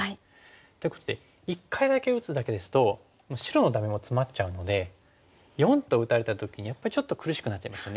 っていうことで一回だけ打つだけですと白のダメもツマっちゃうので④と打たれた時にやっぱりちょっと苦しくなっちゃいますよね。